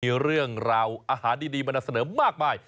มีเรื่องราวอาหารดีมานำเสนอมากมาย